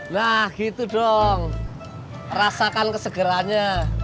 nah gitu dong rasakan kesegeranya